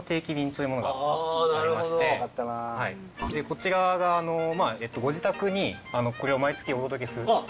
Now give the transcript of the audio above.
こちらがご自宅にこれを毎月お届けする。